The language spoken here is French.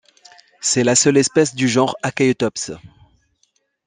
C'est la seule espèce du genre Achaetops.